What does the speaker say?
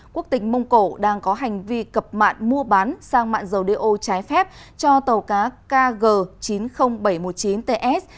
quốc tịch mông cổ đang có hành vi cập mạng mua bán sang mạng dầu đeo trái phép cho tàu cá kg chín mươi nghìn bảy trăm một mươi chín ts